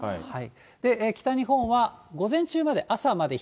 北日本は午前中まで、朝まで、